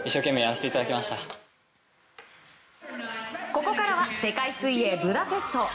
ここからは世界水泳ブダペスト。